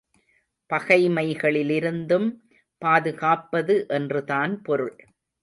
பகைமைகளிலிருந்தும் பாதுகாப்பது என்றுதான் பொருள்.